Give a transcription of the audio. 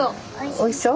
おいしそう。